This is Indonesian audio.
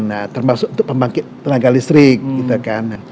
nah termasuk untuk pembangkit tenaga listrik gitu kan